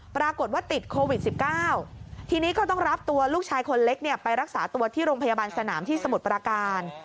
ปรากฏว่าติดโควิด๑๙ทีนี้ก็ต้องรับตัวลูกชายคนเล็กไปรักษาตัวที่โรงพยาบาลสนามที่สมุทรปราการ